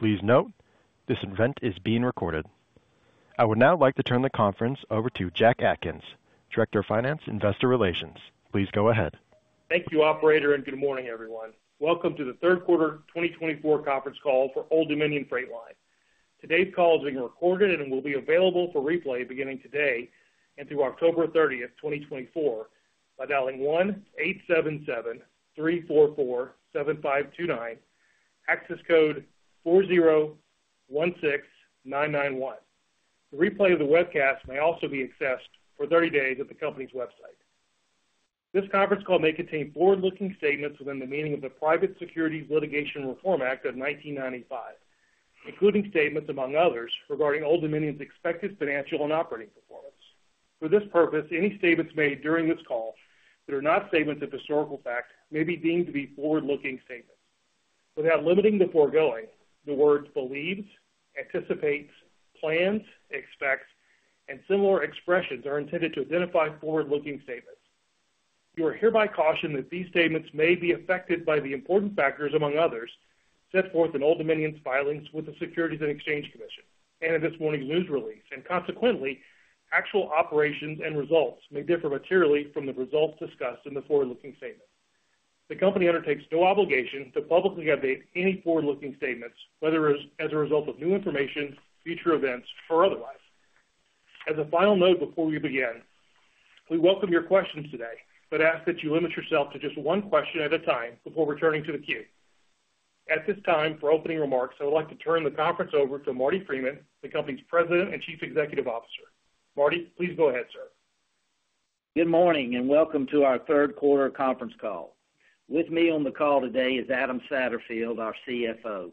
Please note, this event is being recorded. I would now like to turn the conference over to Jack Atkins, Director of Finance, Investor Relations. Please go ahead. Thank you, operator, and good morning, everyone. Welcome to the third quarter twenty twenty-four conference call for Old Dominion Freight Line. Today's call is being recorded and will be available for replay beginning today and through October thirtieth, twenty twenty-four, by dialing one-eight seven seven, three four four, seven five two nine, access code four zero one six nine nine one. The replay of the webcast may also be accessed for thirty days at the company's website. This conference call may contain forward-looking statements within the meaning of the Private Securities Litigation Reform Act of 1995, including statements, among others, regarding Old Dominion's expected financial and operating performance. For this purpose, any statements made during this call that are not statements of historical fact may be deemed to be forward-looking statements. Without limiting the foregoing, the words believes, anticipates, plans, expects, and similar expressions are intended to identify forward-looking statements. You are hereby cautioned that these statements may be affected by the important factors, among others, set forth in Old Dominion's filings with the Securities and Exchange Commission, and in this morning's news release, and consequently, actual operations and results may differ materially from the results discussed in the forward-looking statement. The company undertakes no obligation to publicly update any forward-looking statements, whether as a result of new information, future events, or otherwise. As a final note, before we begin, we welcome your questions today, but ask that you limit yourself to just one question at a time before returning to the queue. At this time, for opening remarks, I would like to turn the conference over to Marty Freeman, the company's President and Chief Executive Officer. Marty, please go ahead, sir. Good morning, and welcome to our third quarter conference call. With me on the call today is Adam Satterfield, our CFO.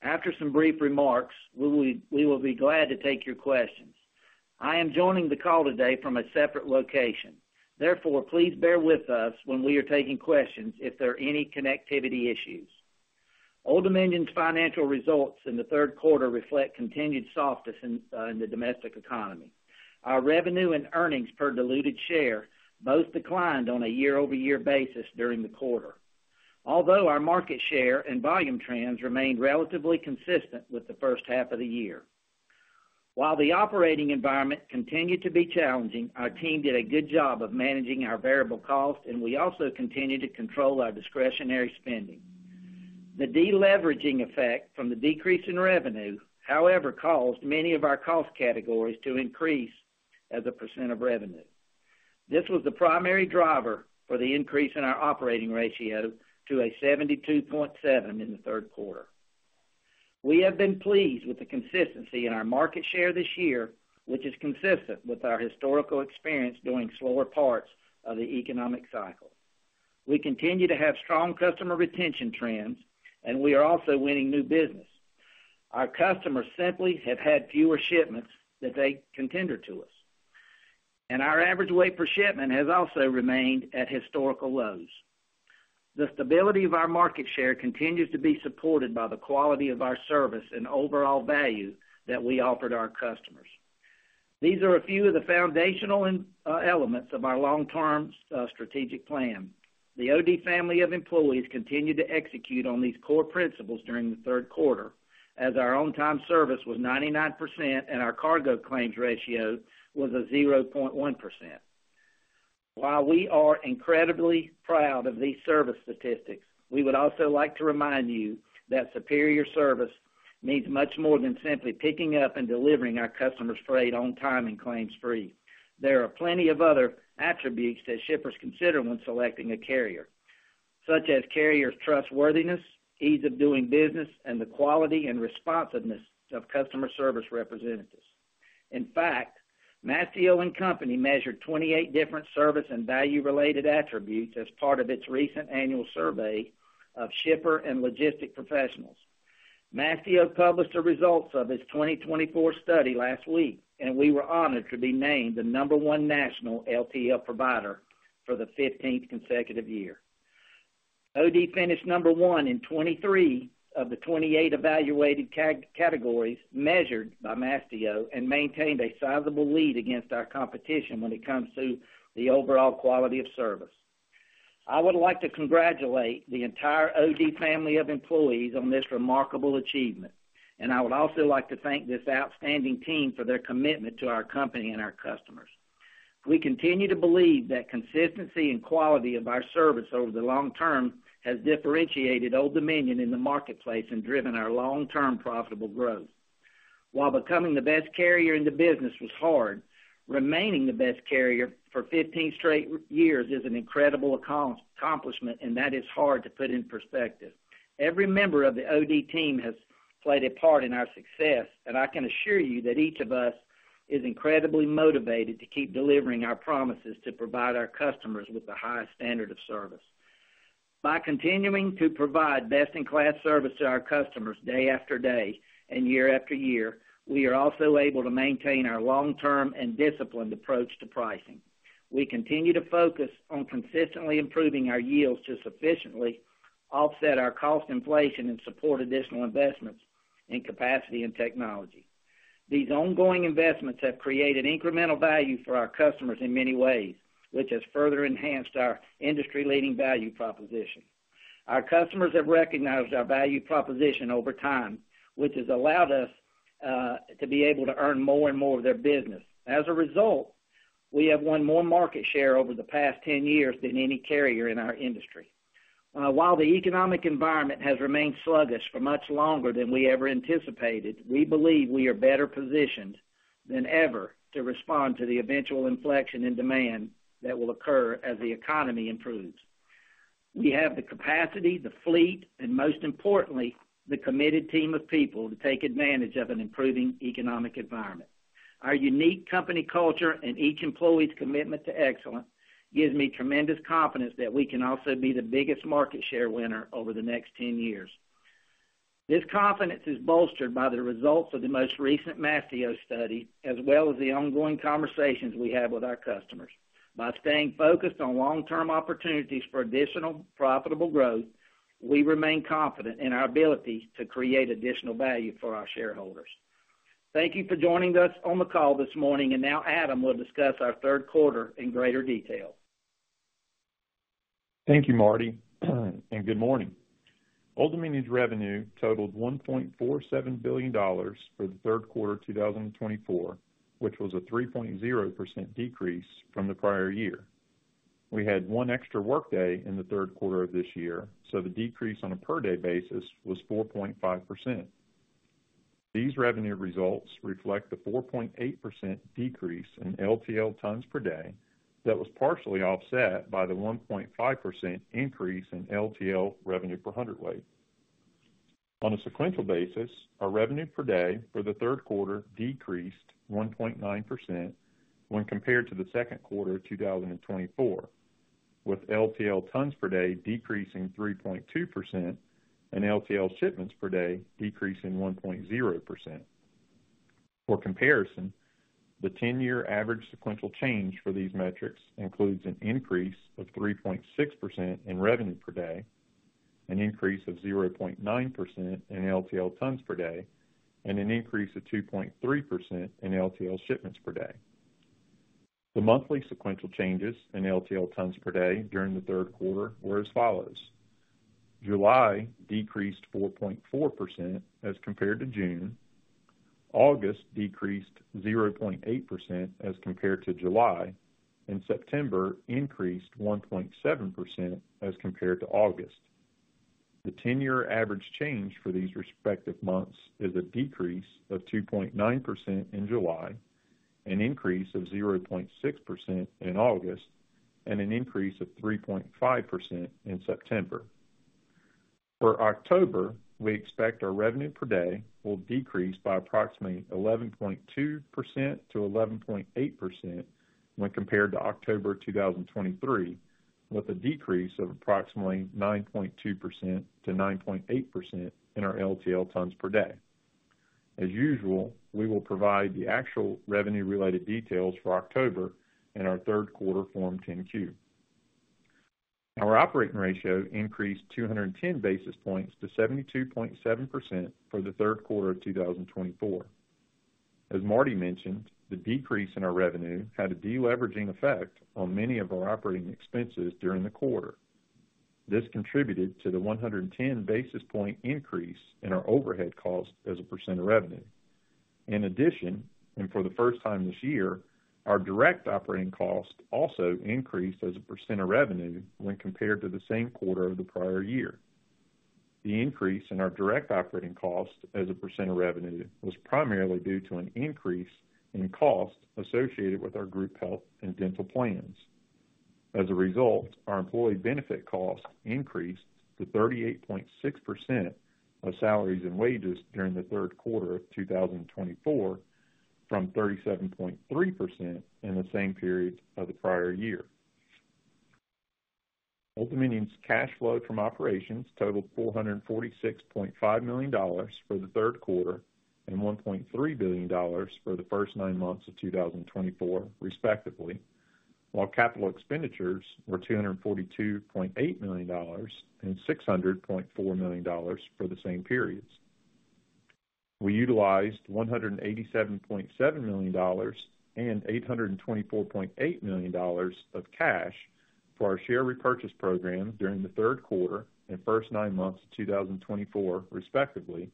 After some brief remarks, we will be glad to take your questions. I am joining the call today from a separate location. Therefore, please bear with us when we are taking questions if there are any connectivity issues. Old Dominion's financial results in the third quarter reflect continued softness in the domestic economy. Our revenue and earnings per diluted share both declined on a year-over-year basis during the quarter. Although our market share and volume trends remained relatively consistent with the first half of the year. While the operating environment continued to be challenging, our team did a good job of managing our variable costs, and we also continued to control our discretionary spending. The deleveraging effect from the decrease in revenue, however, caused many of our cost categories to increase as a percent of revenue. This was the primary driver for the increase in our operating ratio to 72.7% in the third quarter. We have been pleased with the consistency in our market share this year, which is consistent with our historical experience during slower parts of the economic cycle. We continue to have strong customer retention trends, and we are also winning new business. Our customers simply have had fewer shipments that they tender to us, and our average weight per shipment has also remained at historical lows. The stability of our market share continues to be supported by the quality of our service and overall value that we offer to our customers. These are a few of the foundational and elements of our long-term strategic plan. The OD family of employees continued to execute on these core principles during the third quarter, as our on-time service was 99% and our cargo claims ratio was a 0.1%. While we are incredibly proud of these service statistics, we would also like to remind you that superior service means much more than simply picking up and delivering our customers' freight on time and claims-free. There are plenty of other attributes that shippers consider when selecting a carrier, such as carrier's trustworthiness, ease of doing business, and the quality and responsiveness of customer service representatives. In fact, Mastio & Company measured 28 different service and value-related attributes as part of its recent annual survey of shipper and logistic professionals. Mastio published the results of its 2024 study last week, and we were honored to be named the number one national LTL provider for the fifteenth consecutive year. OD finished number one in 23 of the 28 evaluated categories measured by Mastio and maintained a sizable lead against our competition when it comes to the overall quality of service. I would like to congratulate the entire OD family of employees on this remarkable achievement, and I would also like to thank this outstanding team for their commitment to our company and our customers. We continue to believe that consistency and quality of our service over the long term has differentiated Old Dominion in the marketplace and driven our long-term profitable growth. While becoming the best carrier in the business was hard, remaining the best carrier for 15 straight years is an incredible accomplishment, and that is hard to put in perspective. Every member of the OD team has played a part in our success, and I can assure you that each of us is incredibly motivated to keep delivering our promises to provide our customers with the highest standard of service. By continuing to provide best-in-class service to our customers day after day and year after year, we are also able to maintain our long-term and disciplined approach to pricing. We continue to focus on consistently improving our yields to sufficiently offset our cost inflation and support additional investments in capacity and technology. These ongoing investments have created incremental value for our customers in many ways, which has further enhanced our industry-leading value proposition. Our customers have recognized our value proposition over time, which has allowed us to be able to earn more and more of their business. As a result, we have won more market share over the past 10 years than any carrier in our industry. While the economic environment has remained sluggish for much longer than we ever anticipated, we believe we are better positioned than ever to respond to the eventual inflection in demand that will occur as the economy improves. We have the capacity, the fleet, and most importantly, the committed team of people to take advantage of an improving economic environment. Our unique company culture and each employee's commitment to excellence gives me tremendous confidence that we can also be the biggest market share winner over the next 10 years. This confidence is bolstered by the results of the most recent Mastio study, as well as the ongoing conversations we have with our customers. By staying focused on long-term opportunities for additional profitable growth, we remain confident in our ability to create additional value for our shareholders. Thank you for joining us on the call this morning, and now Adam will discuss our third quarter in greater detail. Thank you, Marty, and good morning. Old Dominion's revenue totaled $1.47 billion for the third quarter of 2024, which was a 3.0% decrease from the prior year. We had one extra workday in the third quarter of this year, so the decrease on a per-day basis was 4.5%. These revenue results reflect the 4.8% decrease in LTL tons per day that was partially offset by the 1.5% increase in LTL revenue per hundredweight. On a sequential basis, our revenue per day for the third quarter decreased 1.9% when compared to the second quarter of 2024, with LTL tons per day decreasing 3.2% and LTL shipments per day decreasing 1.0%. For comparison, the 10-year average sequential change for these metrics includes an increase of 3.6% in revenue per day, an increase of 0.9% in LTL tons per day, and an increase of 2.3% in LTL shipments per day. The monthly sequential changes in LTL tons per day during the third quarter were as follows: July decreased 4.4% as compared to June. August decreased 0.8% as compared to July, and September increased 1.7% as compared to August. The 10-year average change for these respective months is a decrease of 2.9% in July, an increase of 0.6% in August, and an increase of 3.5% in September. For October, we expect our revenue per day will decrease by approximately 11.2%-11.8% when compared to October 2023, with a decrease of approximately 9.2%-9.8% in our LTL tons per day. As usual, we will provide the actual revenue-related details for October in our third quarter Form 10-Q. Our operating ratio increased 210 basis points to 72.7% for the third quarter of 2024. As Marty mentioned, the decrease in our revenue had a deleveraging effect on many of our operating expenses during the quarter. This contributed to the 110 basis points increase in our overhead cost as a percent of revenue. In addition, and for the first time this year, our direct operating cost also increased as a percent of revenue when compared to the same quarter of the prior year. The increase in our direct operating cost as a percent of revenue was primarily due to an increase in cost associated with our group health and dental plans. As a result, our employee benefit costs increased to 38.6% of salaries and wages during the third quarter of 2024, from 37.3% in the same period of the prior year. Old Dominion's cash flow from operations totaled $446.5 million for the third quarter and $1.3 billion for the first nine months of 2024, respectively, while capital expenditures were $242.8 million and $600.4 million for the same periods. We utilized $187.7 million and $824.8 million of cash for our share repurchase program during the third quarter and first nine months of 2024, respectively,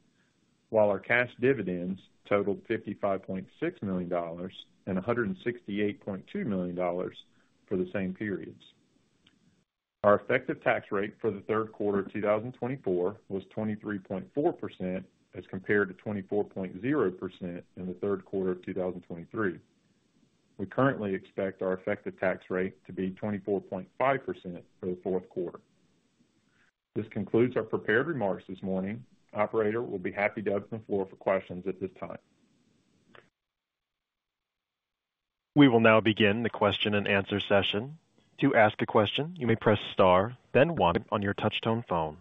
while our cash dividends totaled $55.6 million and $168.2 million for the same periods. Our effective tax rate for the third quarter of two thousand and twenty-four was 23.4%, as compared to 24.0% in the third quarter of two thousand and twenty-three. We currently expect our effective tax rate to be 24.5% for the fourth quarter. This concludes our prepared remarks this morning. Operator, we'll be happy to open the floor for questions at this time. We will now begin the question-and-answer session. To ask a question, you may press Star, then one on your touchtone phone.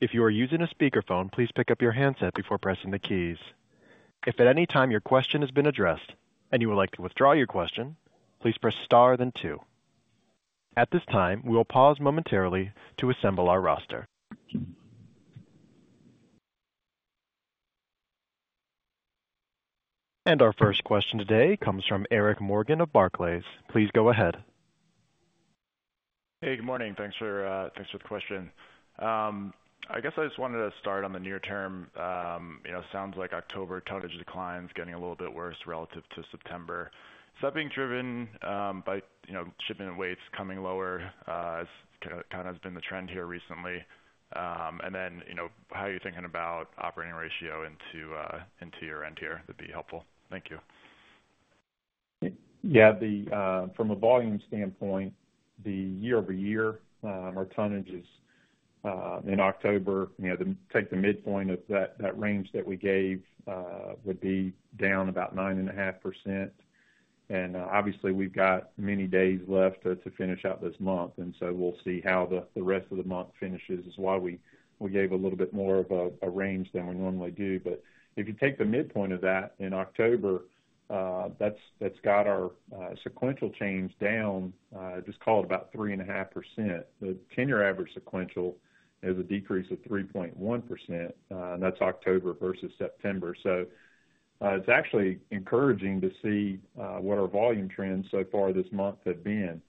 If you are using a speakerphone, please pick up your handset before pressing the keys. If at any time your question has been addressed and you would like to withdraw your question, please press Star, then two.... At this time, we will pause momentarily to assemble our roster, and our first question today comes from Eric Morgan of Barclays. Please go ahead. Hey, good morning. Thanks for the question. I guess I just wanted to start on the near term. You know, sounds like October tonnage declines getting a little bit worse relative to September. Is that being driven by, you know, shipment weights coming lower, as kind of been the trend here recently? And then, you know, how are you thinking about operating ratio into your end year? [That] would be helpful. Thank you. Yeah, from a volume standpoint, the year-over-year, our tonnage is, in October, you know, take the midpoint of that range that we gave, would be down about 9.5%. And, obviously, we've got many days left to finish out this month, and so we'll see how the rest of the month finishes. That's why we gave a little bit more of a range than we normally do. But if you take the midpoint of that in October, that's got our sequential change down, just call it about 3.5%. The ten-year average sequential is a decrease of 3.1%, and that's October versus September. So, it's actually encouraging to see what our volume trends so far this month have been.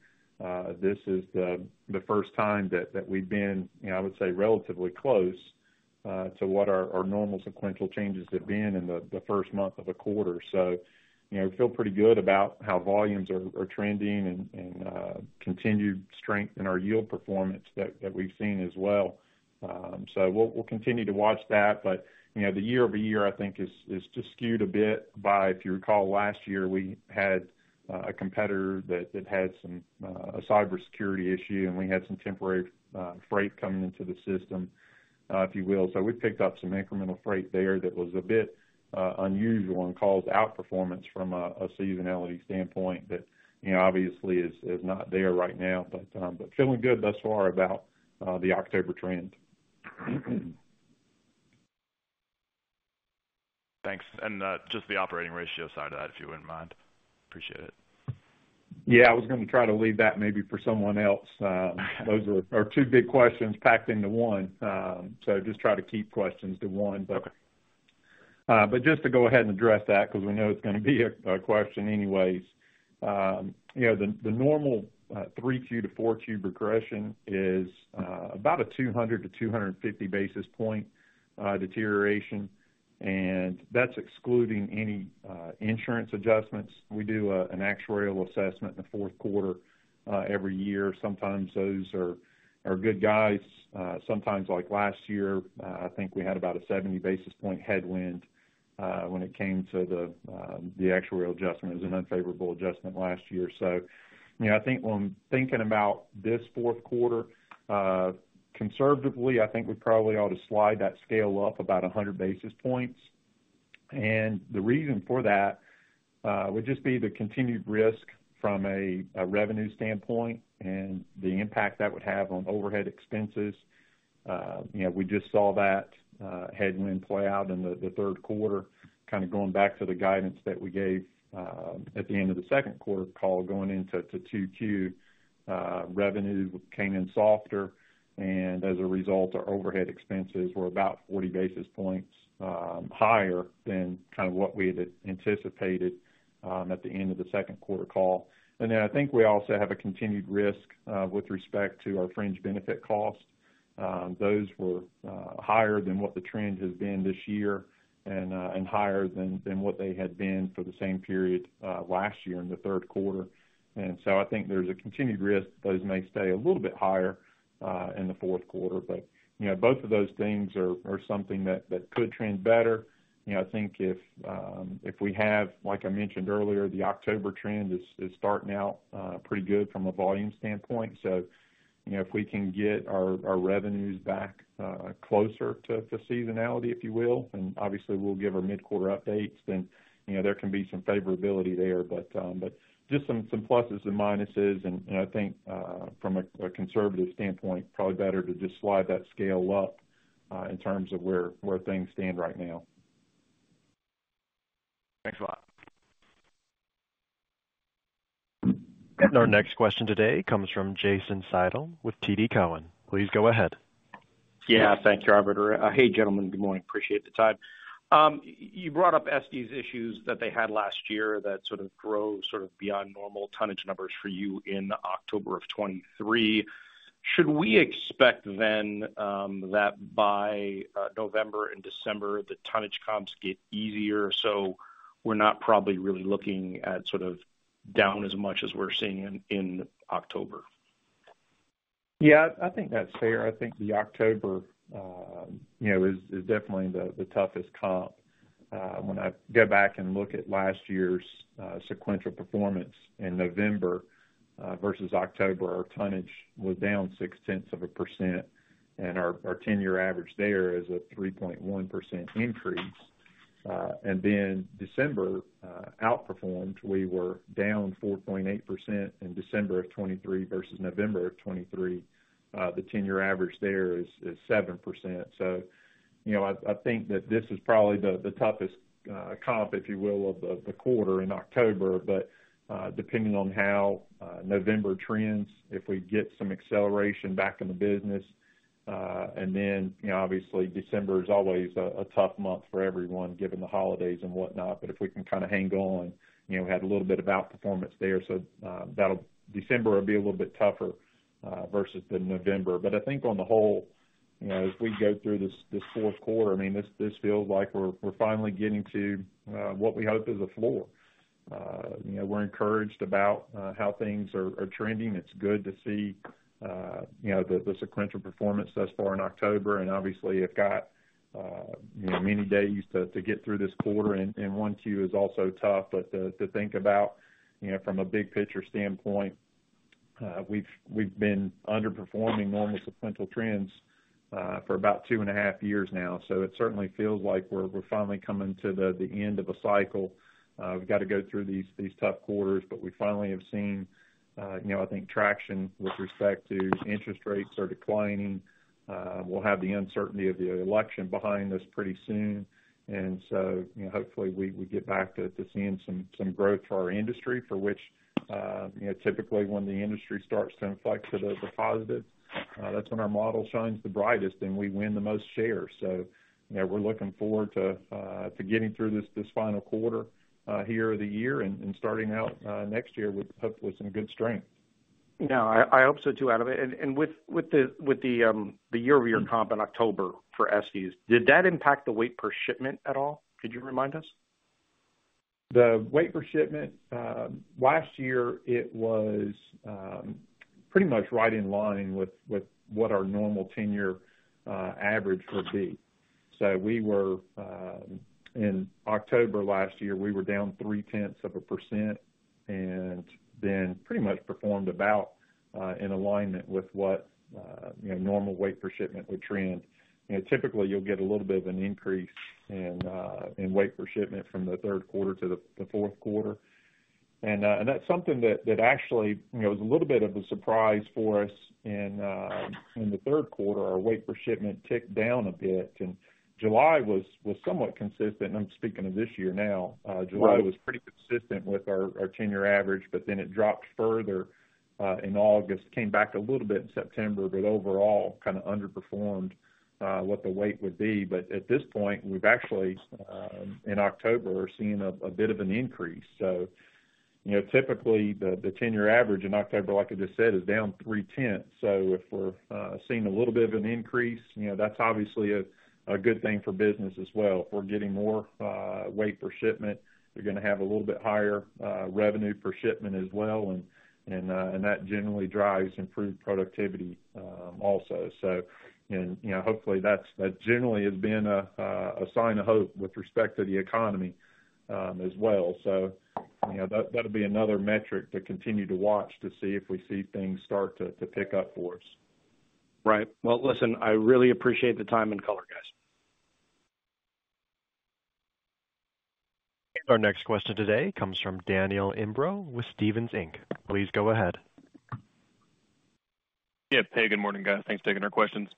This is the first time that we've been, you know, I would say, relatively close to what our normal sequential changes have been in the first month of a quarter. So, you know, we feel pretty good about how volumes are trending and continued strength in our yield performance that we've seen as well. So we'll continue to watch that, but, you know, the year-over-year, I think, is just skewed a bit by... If you recall, last year, we had a competitor that had some a cybersecurity issue, and we had some temporary freight coming into the system, if you will. So we picked up some incremental freight there that was a bit unusual and caused outperformance from a seasonality standpoint that, you know, obviously is not there right now, but feeling good thus far about the October trend. Thanks. And, just the operating ratio side of that, if you wouldn't mind. Appreciate it. Yeah, I was going to try to leave that maybe for someone else. Those are two big questions packed into one. So just try to keep questions to one. Okay. But just to go ahead and address that, because we know it's going to be a question anyways. You know, the normal 3Q to 4Q regression is about a 200-250 basis point deterioration, and that's excluding any insurance adjustments. We do an actuarial assessment in the fourth quarter every year. Sometimes those are good guys. Sometimes, like last year, I think we had about a 70 basis point headwind when it came to the actuarial adjustment. It was an unfavorable adjustment last year. So, you know, I think when thinking about this fourth quarter, conservatively, I think we probably ought to slide that scale up about 100 basis points. The reason for that would just be the continued risk from a revenue standpoint and the impact that would have on overhead expenses. You know, we just saw that headwind play out in the third quarter, kind of going back to the guidance that we gave at the end of the second quarter call, going into Q2, revenue came in softer, and as a result, our overhead expenses were about 40 basis points higher than kind of what we had anticipated at the end of the second quarter call. And then I think we also have a continued risk with respect to our fringe benefit costs. Those were higher than what the trend has been this year and higher than what they had been for the same period last year in the third quarter, and so I think there's a continued risk those may stay a little bit higher in the fourth quarter. But you know, both of those things are something that could trend better. You know, I think if we have, like I mentioned earlier, the October trend is starting out pretty good from a volume standpoint. So you know, if we can get our revenues back closer to seasonality, if you will, and obviously we'll give our mid-quarter updates, then you know, there can be some favorability there. just some pluses and minuses, and you know I think from a conservative standpoint probably better to just slide that scale up in terms of where things stand right now. Thanks a lot. Our next question today comes from Jason Seidl with TD Cowen. Please go ahead. Yeah. Thank you, operator. Hey, gentlemen. Good morning. Appreciate the time. You brought up OD's issues that they had last year that sort of grew sort of beyond normal tonnage numbers for you in October of 2023. Should we expect then that by November and December, the tonnage comps get easier, so we're not probably really looking at sort of down as much as we're seeing in October? Yeah, I think that's fair. I think the October, you know, is definitely the toughest comp. When I go back and look at last year's sequential performance in November versus October, our tonnage was down 0.6%, and our ten-year average there is a 3.1% increase, and then December outperformed. We were down 4.8% in December of 2023 versus November of 2023. The ten-year average there is 7%. So, you know, I think that this is probably the toughest comp, if you will, of the quarter in October. But, depending on how November trends, if we get some acceleration back in the business, and then, you know, obviously, December is always a tough month for everyone, given the holidays and whatnot. But if we can kind of hang on, you know, we had a little bit of outperformance there. So, that'll. December will be a little bit tougher versus the November. But I think on the whole, you know, as we go through this fourth quarter, I mean, this feels like we're finally getting to what we hope is a floor. You know, we're encouraged about how things are trending. It's good to see, you know, the sequential performance thus far in October, and obviously, we've got, you know, many days to get through this quarter, and Q1 is also tough. To think about, you know, from a big picture standpoint, we've been underperforming normal sequential trends for about two and a half years now, so it certainly feels like we're finally coming to the end of a cycle. We've got to go through these tough quarters, but we finally have seen, you know, I think, traction with respect to interest rates are declining. We'll have the uncertainty of the election behind us pretty soon, and so, you know, hopefully, we get back to seeing some growth to our industry, for which, you know, typically when the industry starts to inflect to the positive, that's when our model shines the brightest, and we win the most shares. So, you know, we're looking forward to getting through this final quarter here of the year and starting out next year with, hopefully, some good strength. No, I hope so, too, Adam. With the year-over-year comp in October for STs, did that impact the weight per shipment at all? Could you remind us? The weight per shipment last year, it was pretty much right in line with what our normal ten-year average would be. So we were... In October last year, we were down 0.3%, and then pretty much performed about in alignment with what you know, normal weight per shipment would trend. You know, typically, you'll get a little bit of an increase in weight per shipment from the third quarter to the fourth quarter. And that's something that actually, you know, it was a little bit of a surprise for us in the third quarter. Our weight per shipment ticked down a bit, and July was somewhat consistent. I'm speaking of this year now. Right. July was pretty consistent with our ten-year average, but then it dropped further in August. It came back a little bit in September, but overall, it kind of underperformed what the weight would be. But at this point, we've actually in October seen a bit of an increase. So you know, typically the ten-year average in October, like I just said, is down three tenths. So if we're seeing a little bit of an increase, you know, that's obviously a good thing for business as well. If we're getting more weight per shipment, we're going to have a little bit higher revenue per shipment as well, and that generally drives improved productivity also. You know, hopefully, that's that generally has been a sign of hope with respect to the economy, as well. You know, that, that'll be another metric to continue to watch to see if we see things start to pick up for us. Right. Well, listen, I really appreciate the time and color, guys. Our next question today comes from Daniel Imbro with Stephens Inc. Please go ahead. Yeah. Hey, good morning, guys. Thanks for taking our questions.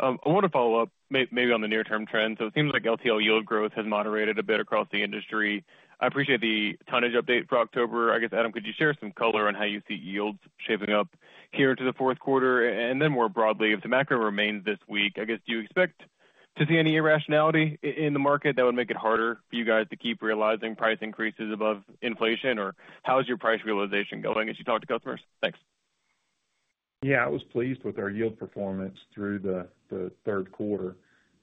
I want to follow up maybe on the near-term trends. So it seems like LTL yield growth has moderated a bit across the industry. I appreciate the tonnage update for October. I guess, Adam, could you share some color on how you see yields shaping up here into the fourth quarter? And then more broadly, if the macro remains this weak, I guess, do you expect to see any irrationality in the market that would make it harder for you guys to keep realizing price increases above inflation, or how is your price realization going as you talk to customers? Thanks. Yeah, I was pleased with our yield performance through the third quarter.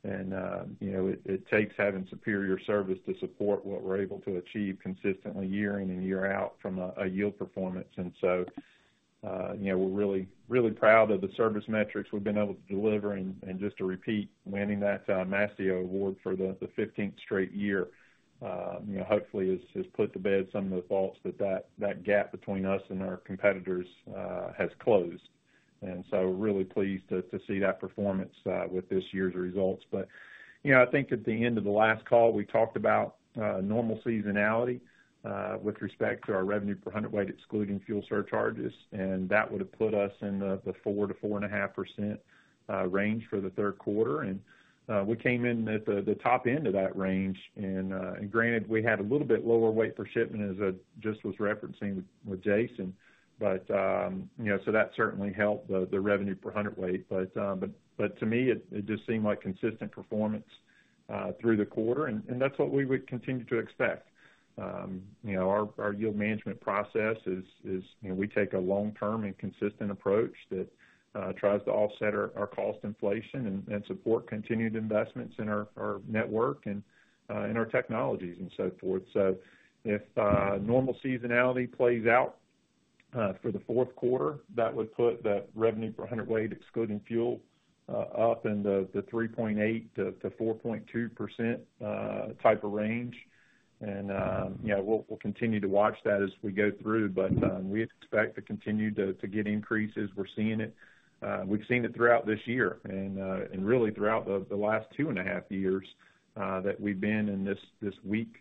And you know, it takes having superior service to support what we're able to achieve consistently year in and year out from a yield performance. And so you know, we're really proud of the service metrics we've been able to deliver. And just to repeat, winning that Mastio award for the fifteenth straight year you know, hopefully has put to bed some of the thoughts that that gap between us and our competitors has closed. And so we're really pleased to see that performance with this year's results. But, you know, I think at the end of the last call, we talked about normal seasonality with respect to our revenue per hundredweight, excluding fuel surcharges, and that would have put us in the 4%-4.5% range for the third quarter. And we came in at the top end of that range. And granted, we had a little bit lower weight per shipment, as I just was referencing with Jason. But, you know, so that certainly helped the revenue per hundredweight. But to me, it just seemed like consistent performance through the quarter, and that's what we would continue to expect. You know, our yield management process is, you know, we take a long-term and consistent approach that tries to offset our cost inflation and support continued investments in our network and in our technologies and so forth, so if normal seasonality plays out for the fourth quarter, that would put the revenue per hundredweight, excluding fuel, up in the 3.8%-4.2% type of range, and you know, we'll continue to watch that as we go through, but we expect to continue to get increases. We're seeing it. We've seen it throughout this year and really throughout the last two and a half years that we've been in this weak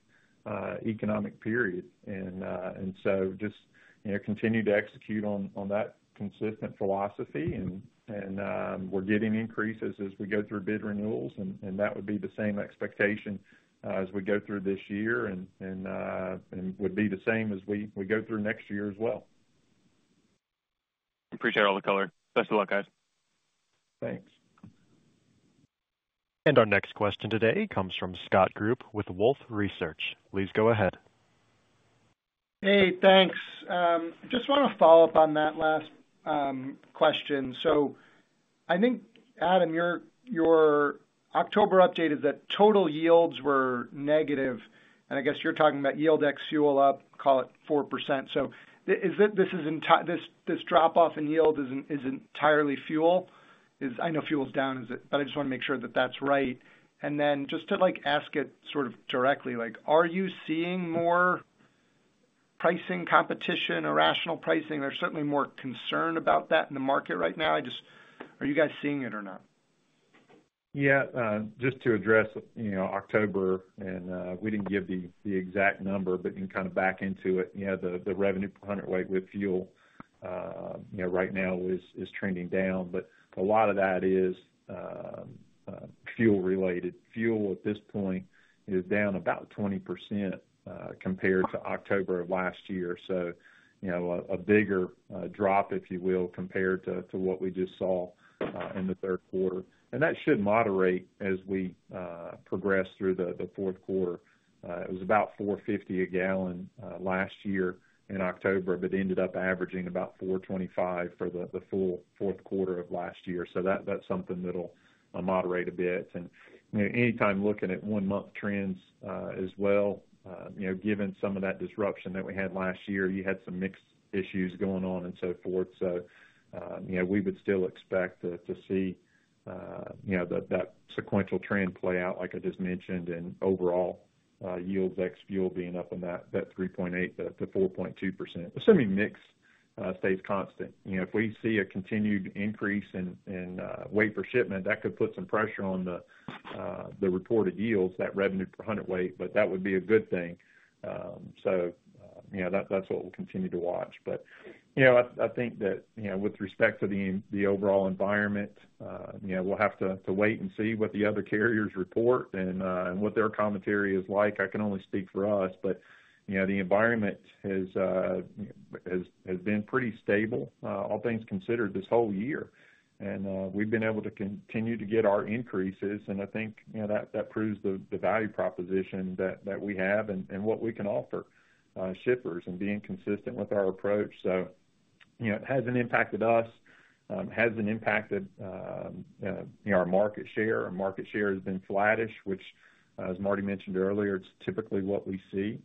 economic period. And so just, you know, continue to execute on that consistent philosophy and we're getting increases as we go through bid renewals, and that would be the same expectation as we go through this year and would be the same as we go through next year as well. Appreciate all the color. Best of luck, guys. Thanks. Our next question today comes from Scott Group with Wolfe Research. Please go ahead. Hey, thanks. Just want to follow up on that last question. So I think, Adam, your October update is that total yields were negative, and I guess you're talking about yield ex fuel up, call it 4%. So is it, this drop off in yield is entirely fuel? I know fuel's down, is it, but I just want to make sure that that's right. And then just to, like, ask it sort of directly, like, are you seeing more pricing competition or rational pricing? There's certainly more concern about that in the market right now. Are you guys seeing it or not? Yeah, just to address, you know, October, and we didn't give the exact number, but you can kind of back into it. You know, the revenue per hundredweight with fuel, you know, right now is trending down, but a lot of that is fuel related. Fuel, at this point, is down about 20% compared to October of last year. So you know, a bigger drop, if you will, compared to what we just saw in the third quarter. And that should moderate as we progress through the fourth quarter. It was about $4.50 a gallon last year in October, but ended up averaging about $4.25 for the full fourth quarter of last year. So that, that's something that'll moderate a bit. And, you know, anytime looking at one-month trends, as well, you know, given some of that disruption that we had last year, you had some mixed issues going on and so forth. So, you know, we would still expect to see, you know, that sequential trend play out, like I just mentioned, and overall, yields ex fuel being up in that 3.8%-4.2%, assuming mix stays constant. You know, if we see a continued increase in weight for shipment, that could put some pressure on the reported yields, that revenue per hundredweight, but that would be a good thing. So, you know, that's what we'll continue to watch. But, you know, I think that, you know, with respect to the overall environment, you know, we'll have to wait and see what the other carriers report and what their commentary is like. I can only speak for us, but, you know, the environment has been pretty stable, all things considered, this whole year. And, we've been able to continue to get our increases, and I think, you know, that proves the value proposition that we have and what we can offer shippers and being consistent with our approach. So, you know, it hasn't impacted us, hasn't impacted, you know, our market share. Our market share has been flattish, which, as Marty mentioned earlier, it's typically what we see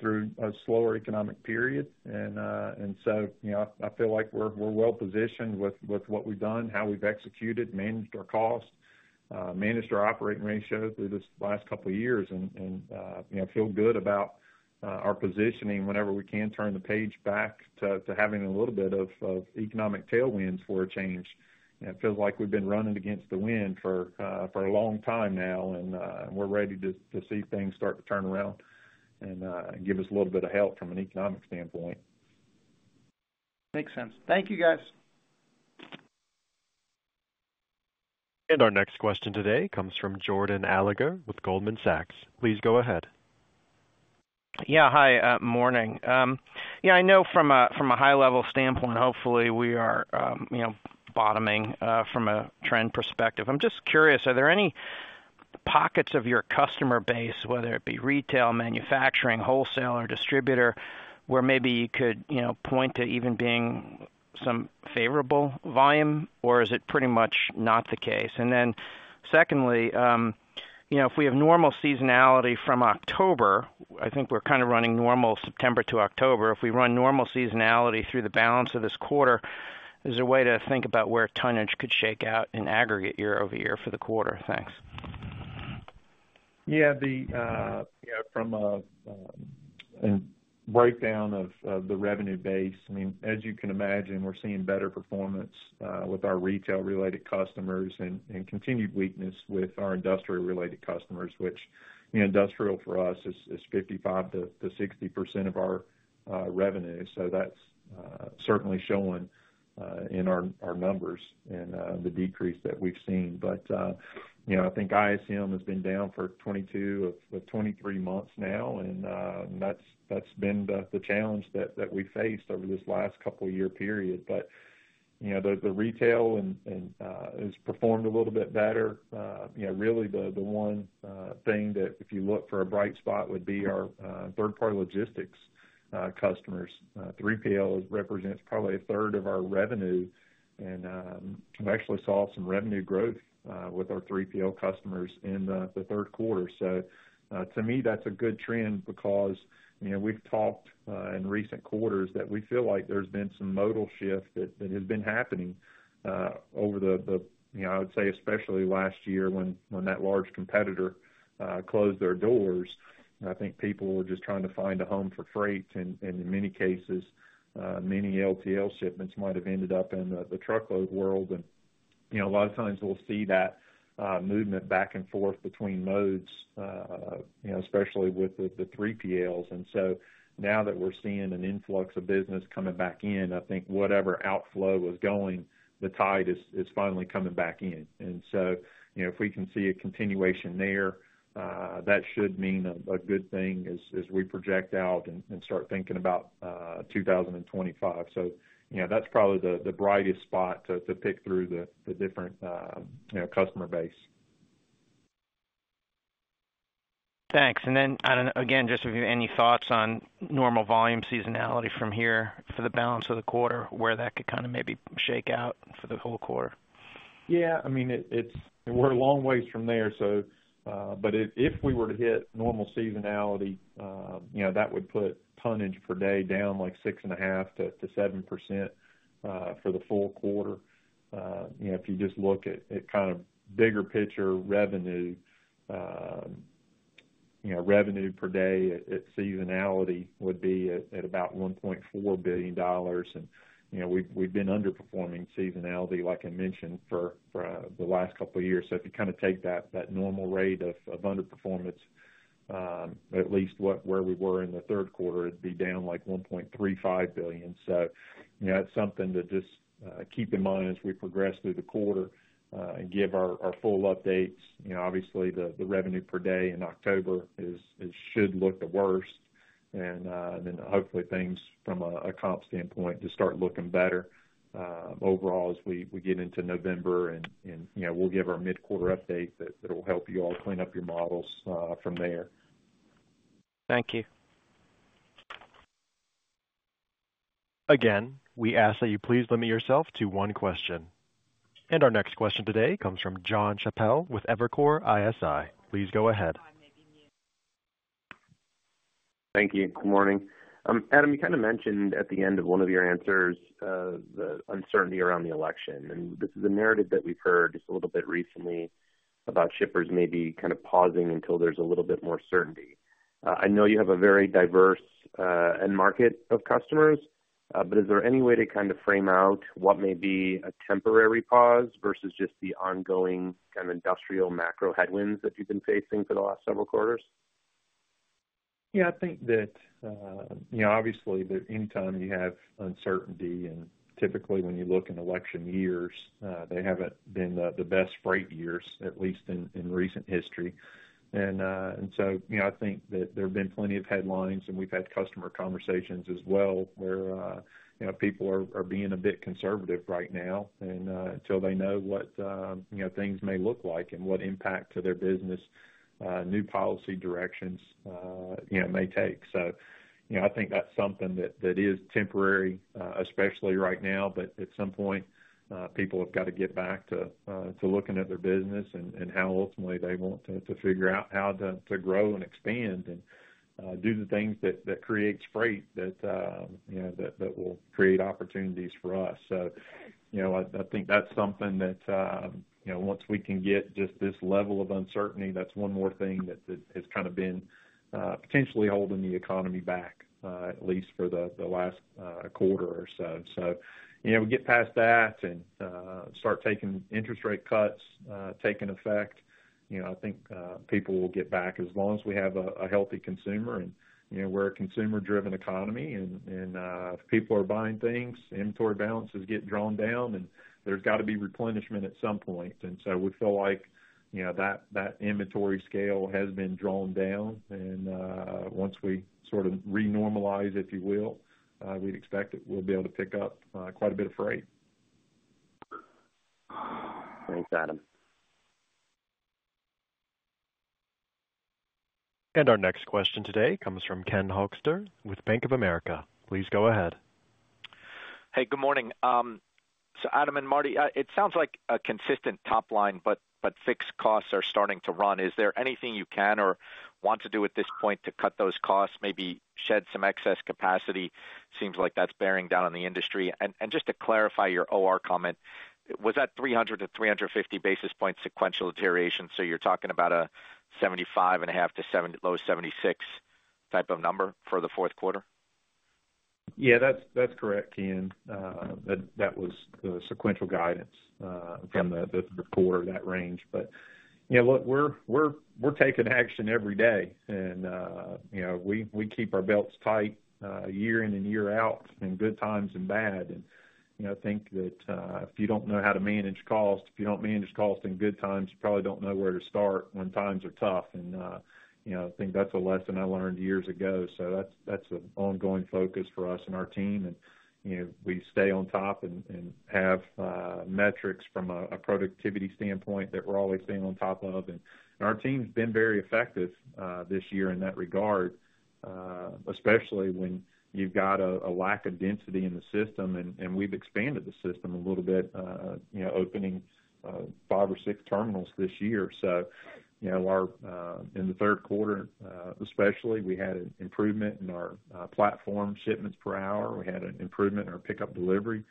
through a slower economic period. And so, you know, I feel like we're well positioned with what we've done, how we've executed, managed our costs, managed our operating ratio through this last couple of years. And you know, feel good about our positioning whenever we can turn the page back to having a little bit of economic tailwinds for a change. It feels like we've been running against the wind for a long time now, and we're ready to see things start to turn around and give us a little bit of help from an economic standpoint. Makes sense. Thank you, guys. Our next question today comes from Jordan Alliger with Goldman Sachs. Please go ahead. Yeah. Hi, morning. Yeah, I know from a high-level standpoint, hopefully, we are, you know, bottoming from a trend perspective. I'm just curious, are there any pockets of your customer base, whether it be retail, manufacturing, wholesale or distributor, where maybe you could, you know, point to even being some favorable volume? Or is it pretty much not the case? And then, secondly, you know, if we have normal seasonality from October, I think we're kind of running normal September to October. If we run normal seasonality through the balance of this quarter, is there a way to think about where tonnage could shake out in aggregate year over year for the quarter? Thanks. Yeah, you know, from a breakdown of the revenue base, I mean, as you can imagine, we're seeing better performance with our retail-related customers and continued weakness with our industrial-related customers, which, you know, industrial for us is 55-60% of our revenue. So that's certainly showing in our numbers and the decrease that we've seen. But you know, I think ISM has been down for 22 or 23 months now, and that's been the challenge that we've faced over this last couple year period. But you know, the retail and has performed a little bit better. You know, really the one thing that if you look for a bright spot would be our third-party logistics customers. 3PL represents probably a third of our revenue, and we actually saw some revenue growth with our 3PL customers in the third quarter. So, to me, that's a good trend because, you know, we've talked in recent quarters that we feel like there's been some modal shift that has been happening over the, you know, I would say especially last year when that large competitor closed their doors. And I think people were just trying to find a home for freight, and in many cases, many LTL shipments might have ended up in the truckload world. And, you know, a lot of times we'll see that movement back and forth between modes, you know, especially with the 3PLs. And so now that we're seeing an influx of business coming back in, I think whatever outflow was going, the tide is finally coming back in. And so, you know, if we can see a continuation there, that should mean a good thing as we project out and start thinking about two thousand and twenty-five. So, you know, that's probably the brightest spot to pick through the different, you know, customer base.... Thanks. And then, I don't know, again, just if you have any thoughts on normal volume seasonality from here for the balance of the quarter, where that could kind of maybe shake out for the whole quarter? Yeah, I mean, it's we're a long ways from there, so... But if we were to hit normal seasonality, you know, that would put tonnage per day down, like, 6.5%-7% for the full quarter. You know, if you just look at kind of bigger picture revenue, you know, revenue per day at seasonality would be at about $1.4 billion. And, you know, we've been underperforming seasonality, like I mentioned, for the last couple of years. So if you kind of take that normal rate of underperformance, at least where we were in the third quarter, it'd be down, like, $1.35 billion. So, you know, that's something to just keep in mind as we progress through the quarter and give our full updates. You know, obviously, the revenue per day in October is; it should look the worst. And then hopefully things from a comp standpoint just start looking better overall as we get into November. And you know, we'll give our mid-quarter update that will help you all clean up your models from there. Thank you. Again, we ask that you please limit yourself to one question and our next question today comes from Jon Chappell with Evercore ISI. Please go ahead. Thank you. Good morning. Adam, you kind of mentioned at the end of one of your answers, the uncertainty around the election, and this is a narrative that we've heard just a little bit recently about shippers maybe kind of pausing until there's a little bit more certainty. I know you have a very diverse end market of customers, but is there any way to kind of frame out what may be a temporary pause versus just the ongoing kind of industrial macro headwinds that you've been facing for the last several quarters? Yeah, I think that, you know, obviously, the economy have uncertainty, and typically, when you look in election years, they haven't been the best freight years, at least in recent history. And so, you know, I think that there have been plenty of headlines, and we've had customer conversations as well, where, you know, people are being a bit conservative right now, and until they know what, you know, things may look like and what impact to their business new policy directions, you know, may take. So, you know, I think that's something that is temporary, especially right now, but at some point, people have got to get back to looking at their business and how ultimately they want to figure out how to grow and expand and do the things that creates freight, that you know that will create opportunities for us. So, you know, I think that's something that, you know, once we can get just this level of uncertainty, that's one more thing that has kind of been potentially holding the economy back, at least for the last quarter or so. So, you know, we get past that and start taking interest rate cuts taking effect. You know, I think people will get back as long as we have a healthy consumer and, you know, we're a consumer-driven economy and if people are buying things, inventory balances get drawn down, and there's got to be replenishment at some point. And so we feel like, you know, that inventory scale has been drawn down. And once we sort of re-normalize, if you will, we'd expect that we'll be able to pick up quite a bit of freight. Thanks, Adam. Our next question today comes from Ken Hoexter with Bank of America. Please go ahead. Hey, good morning, so Adam and Marty, it sounds like a consistent top line, but fixed costs are starting to run. Is there anything you can or want to do at this point to cut those costs, maybe shed some excess capacity? Seems like that's bearing down on the industry, and just to clarify your OR comment, was that 300-350 basis points sequential deterioration, so you're talking about a 75.5 to 70-low 76 type of number for the fourth quarter? Yeah, that's correct, Ken. That was the sequential guidance from the quarter that range. But, you know, look, we're taking action every day, and, you know, we keep our belts tight, year in and year out, in good times and bad. And, you know, I think that, if you don't know how to manage cost, if you don't manage cost in good times, you probably don't know where to start when times are tough. And, you know, I think that's a lesson I learned years ago. So that's an ongoing focus for us and our team. And, you know, we stay on top and have metrics from a productivity standpoint that we're always staying on top of. Our team's been very effective this year in that regard, especially when you've got a lack of density in the system, and we've expanded the system a little bit, you know, opening five or six terminals this year. So, you know, in the third quarter, especially, we had an improvement in our platform shipments per hour. We had an improvement in our pickup delivery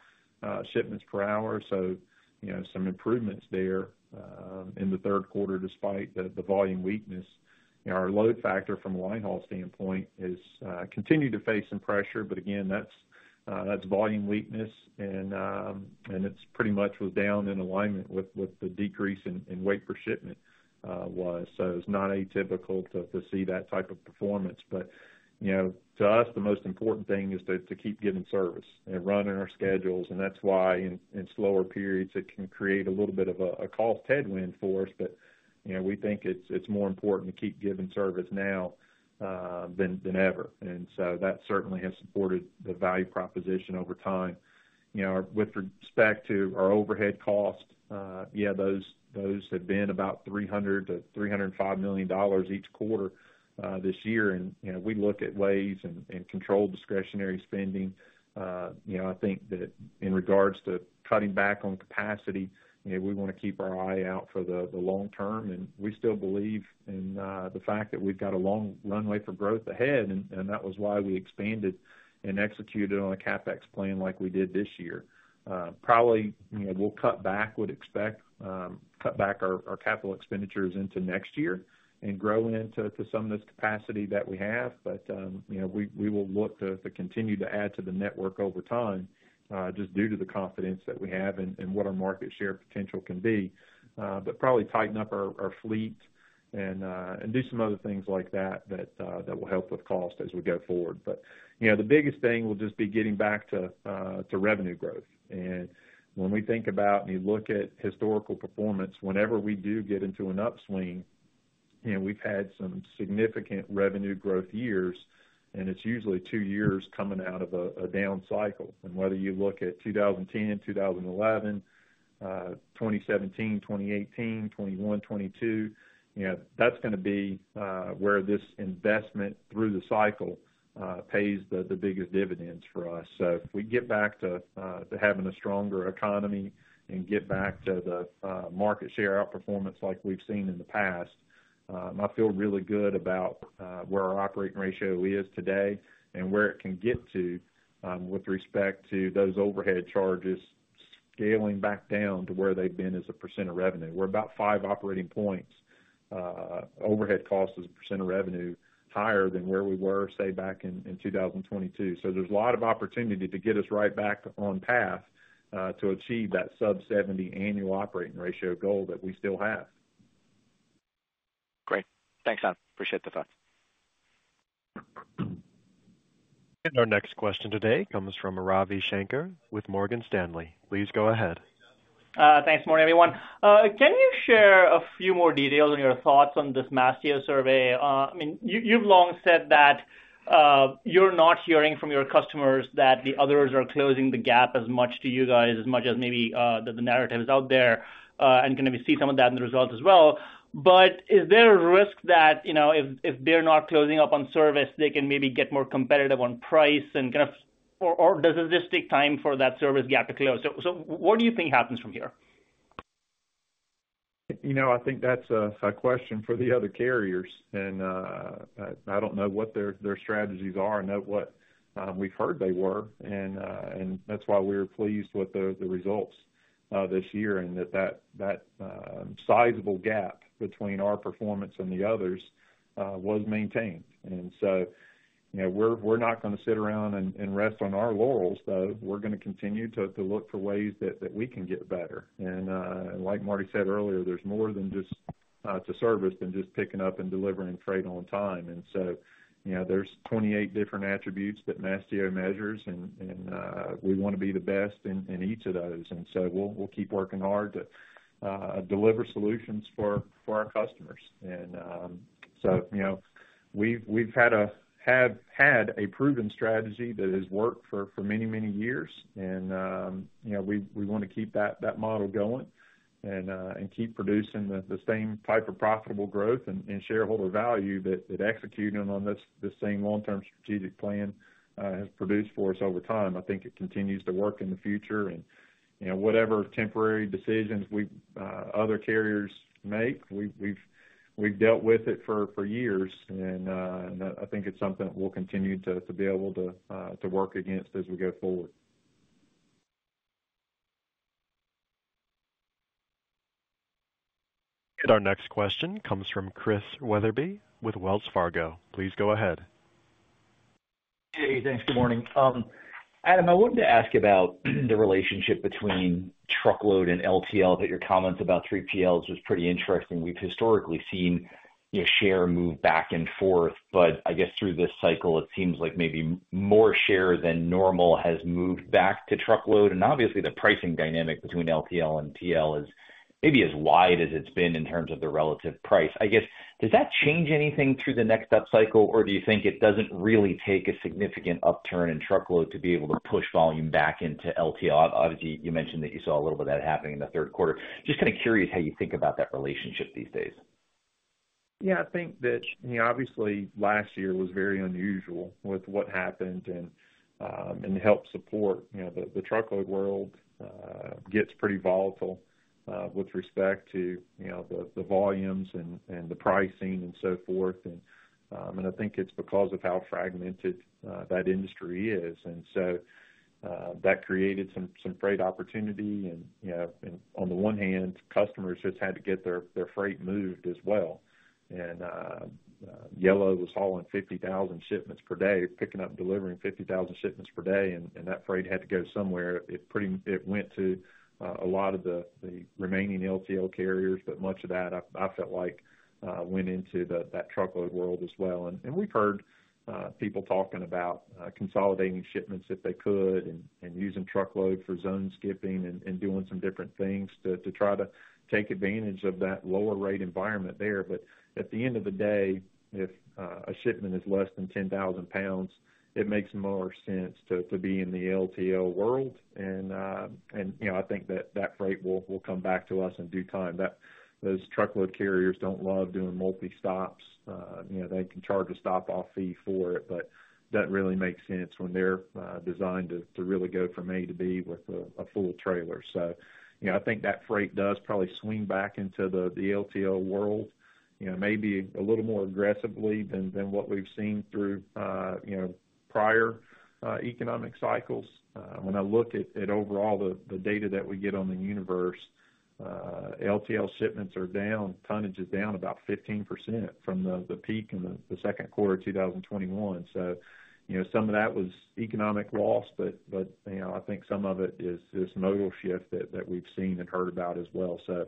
shipments per hour. So, you know, some improvements there in the third quarter, despite the volume weakness. You know, our load factor from a linehaul standpoint is continuing to face some pressure, but again, that's volume weakness, and it's pretty much was down in alignment with the decrease in weight per shipment, was. So it's not atypical to see that type of performance. But, you know, to us, the most important thing is to keep giving service and running our schedules, and that's why in slower periods, it can create a little bit of a cost headwind for us. But, you know, we think it's more important to keep giving service now than ever. And so that certainly has supported the value proposition over time. You know, with respect to our overhead cost, yeah, those have been about $300 million-$305 million each quarter this year. And, you know, we look at ways and control discretionary spending. You know, I think that in regards to cutting back on capacity, you know, we want to keep our eye out for the long term, and we still believe in the fact that we've got a long runway for growth ahead, and that was why we expanded and executed on a CapEx plan like we did this year. Probably, you know, we'll cut back, would expect, cut back our capital expenditures into next year and grow into some of this capacity that we have. But, you know, we will look to continue to add to the network over time, just due to the confidence that we have and what our market share potential can be. But probably tighten up our fleet and do some other things like that that will help with cost as we go forward. But you know, the biggest thing will just be getting back to revenue growth. And when we think about and you look at historical performance, whenever we do get into an upswing, you know, we've had some significant revenue growth years, and it's usually two years coming out of a down cycle. And whether you look at 2010, 2011, 2017, 2018, 2021, 2022, you know, that's gonna be where this investment through the cycle pays the biggest dividends for us. If we get back to having a stronger economy and get back to the market share outperformance like we've seen in the past, I feel really good about where our operating ratio is today and where it can get to with respect to those overhead charges scaling back down to where they've been as a % of revenue. We're about five operating points overhead cost as a % of revenue higher than where we were, say, back in 2022. So there's a lot of opportunity to get us right back on path to achieve that sub-70 annual operating ratio goal that we still have. Great. Thanks, Adam. Appreciate the thought. Our next question today comes from Ravi Shanker with Morgan Stanley. Please go ahead. Thanks. Morning, everyone. Can you share a few more details on your thoughts on this Mastio survey? I mean, you've long said that you're not hearing from your customers that the others are closing the gap as much to you guys, as much as maybe that the narrative is out there, and can we see some of that in the results as well? But is there a risk that, you know, if they're not closing up on service, they can maybe get more competitive on price and kind of or does it just take time for that service gap to close? So what do you think happens from here? You know, I think that's a question for the other carriers, and I don't know what their strategies are. I know what we've heard they were, and that's why we were pleased with the results this year, and that sizable gap between our performance and the others was maintained. So, you know, we're not gonna sit around and rest on our laurels, though. We're gonna continue to look for ways that we can get better. Like Marty said earlier, there's more to service than just picking up and delivering freight on time. So, you know, there's 28 different attributes that Mastio measures, and we want to be the best in each of those. And so we'll keep working hard to deliver solutions for our customers. And so, you know, we've had a proven strategy that has worked for many years, and you know, we want to keep that model going and keep producing the same type of profitable growth and shareholder value that executing on this same long-term strategic plan has produced for us over time. I think it continues to work in the future and, you know, whatever temporary decisions other carriers make, we've dealt with it for years, and I think it's something that we'll continue to be able to work against as we go forward. Our next question comes from Chris Wetherbee with Wells Fargo. Please go ahead. Hey, thanks. Good morning. Adam, I wanted to ask about the relationship between truckload and LTL, that your comments about three PLs was pretty interesting. We've historically seen your share move back and forth, but I guess through this cycle, it seems like maybe more share than normal has moved back to truckload. And obviously the pricing dynamic between LTL and TL is maybe as wide as it's been in terms of the relative price. I guess, does that change anything through the next up cycle, or do you think it doesn't really take a significant upturn in truckload to be able to push volume back into LTL? Obviously, you mentioned that you saw a little bit of that happening in the third quarter. Just kind of curious how you think about that relationship these days. Yeah, I think that, you know, obviously, last year was very unusual with what happened and helped support, you know, the truckload world with respect to, you know, the volumes and the pricing and so forth. And I think it's because of how fragmented that industry is. And so that created some freight opportunity. And, you know, and on the one hand, customers just had to get their freight moved as well. And Yellow was hauling 50,000 shipments per day, picking up, delivering 50,000 shipments per day, and that freight had to go somewhere. It went to a lot of the remaining LTL carriers, but much of that I felt like went into that truckload world as well. We've heard people talking about consolidating shipments if they could, and using truckload for zone skipping and doing some different things to try to take advantage of that lower rate environment there. But at the end of the day, if a shipment is less than ten thousand pounds, it makes more sense to be in the LTL world, and you know, I think that freight will come back to us in due time. Those truckload carriers don't love doing multi stops. You know, they can charge a stop-off fee for it, but that really makes sense when they're designed to really go from A to B with a full trailer. So, you know, I think that freight does probably swing back into the LTL world, you know, maybe a little more aggressively than what we've seen through, you know, prior economic cycles. When I look at overall the data that we get on the universe, LTL shipments are down, tonnage is down about 15% from the peak in the second quarter, two thousand and twenty-one. So, you know, some of that was economic loss, but, you know, I think some of it is this modal shift that we've seen and heard about as well. So, you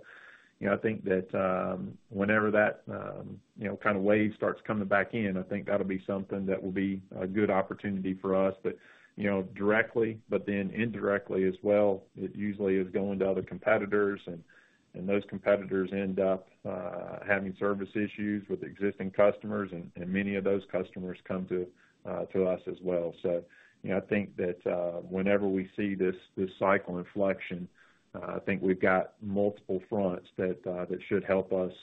know, I think that, whenever that, you know, kind of wave starts coming back in, I think that'll be something that will be a good opportunity for us. But, you know, directly, but then indirectly as well, it usually is going to other competitors, and those competitors end up having service issues with existing customers, and many of those customers come to us as well. So, you know, I think that whenever we see this cycle inflection, I think we've got multiple fronts that should help us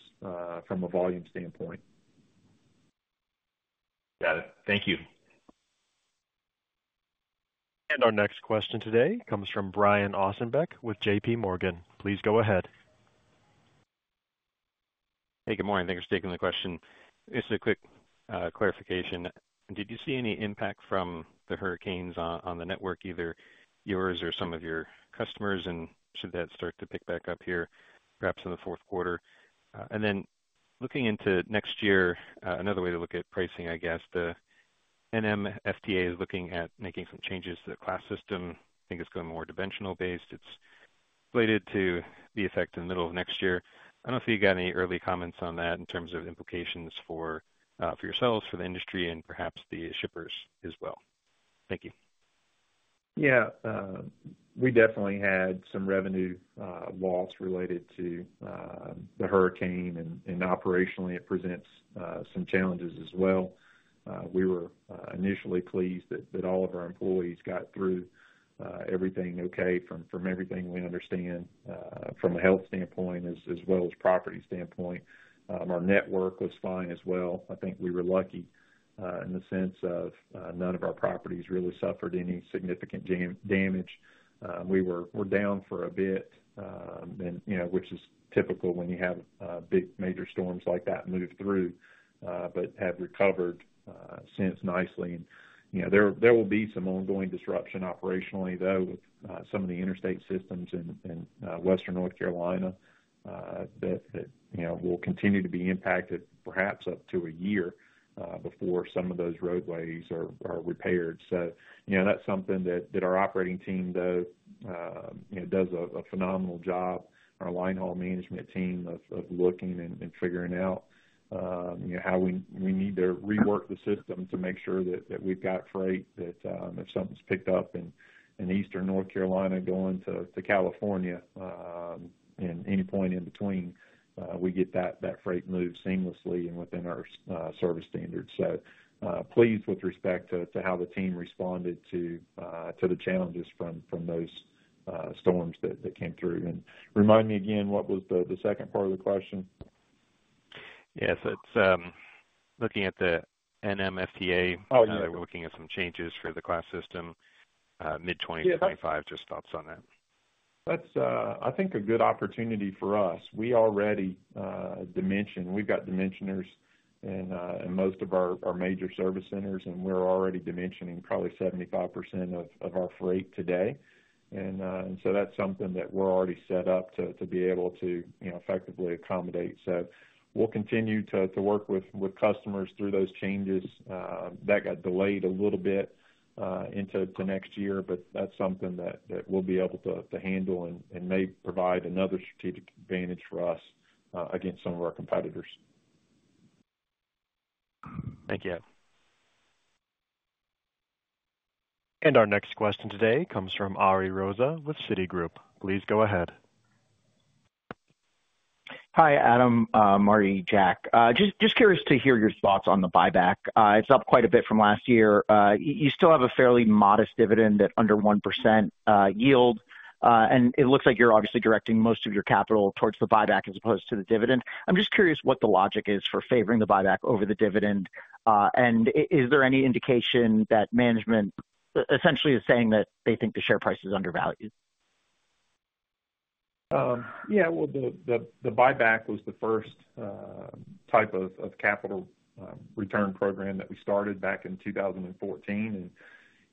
from a volume standpoint. Got it. Thank you. And our next question today comes from Brian Ossenbeck with J.P. Morgan. Please go ahead. Hey, good morning. Thanks for taking the question. Just a quick clarification. Did you see any impact from the hurricanes on the network, either yours or some of your customers? And should that start to pick back up here, perhaps in the fourth quarter? And then looking into next year, another way to look at pricing, I guess, the NMFTA is looking at making some changes to the class system. I think it's going more dimensional based. It's slated to take effect in the middle of next year. I don't know if you've got any early comments on that in terms of implications for yourselves, for the industry, and perhaps the shippers as well. Thank you. Yeah, we definitely had some revenue loss related to the hurricane, and operationally, it presents some challenges as well. We were initially pleased that all of our employees got through everything okay from everything we understand from a health standpoint as well as property standpoint. Our network was fine as well. I think we were lucky in the sense of none of our properties really suffered any significant damage. We were down for a bit, and you know, which is typical when you have big major storms like that move through, but have recovered since nicely. You know, there will be some ongoing disruption operationally, though, some of the interstate systems in Western North Carolina that you know will continue to be impacted, perhaps up to a year before some of those roadways are repaired. So, you know, that's something that our operating team does a phenomenal job. Our line haul management team of looking and figuring out how we need to rework the system to make sure that we've got freight that if something's picked up in Eastern North Carolina going to California and any point in between we get that freight moved seamlessly and within our service standards. So, pleased with respect to how the team responded to the challenges from those storms that came through. And remind me again, what was the second part of the question? Yes, it's looking at the NMFTA- Oh, yeah. They were looking at some changes for the class system, mid-2025. Just thoughts on that. That's, I think, a good opportunity for us. We already dimension. We've got dimensioners in most of our major service centers, and we're already dimensioning probably 75% of our freight today. And so that's something that we're already set up to be able to, you know, effectively accommodate. So we'll continue to work with customers through those changes. That got delayed a little bit into the next year, but that's something that we'll be able to handle and may provide another strategic advantage for us against some of our competitors. Thank you. Our next question today comes from Ari Rosa with Citigroup. Please go ahead. Hi, Adam. Marty. Just curious to hear your thoughts on the buyback. It's up quite a bit from last year. You still have a fairly modest dividend at under 1% yield. And it looks like you're obviously directing most of your capital towards the buyback as opposed to the dividend. I'm just curious what the logic is for favoring the buyback over the dividend. And is there any indication that management essentially is saying that they think the share price is undervalued? Yeah, well, the buyback was the first type of capital return program that we started back in 2014. And,